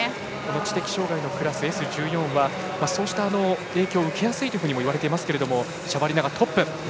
知的障がいのクラスＳ１４はそうした影響を受けやすいともいわれていますけれどもシャバリナがトップ。